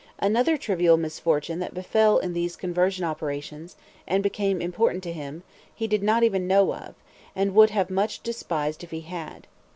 Another trivial misfortune that befell in these conversion operations, and became important to him, he did not even know of, and would have much despised if he had.